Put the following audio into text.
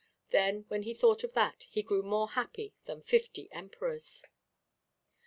Then, when he thought of that, he grew more happy than fifty emperors.